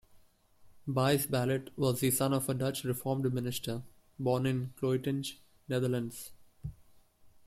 Buys Ballot was the son of a Dutch Reformed minister, born in Kloetinge, Netherlands.